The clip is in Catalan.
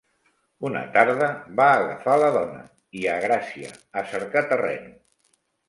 Una tarda va agafar la dòna, i a Gracia, a cercar terreno.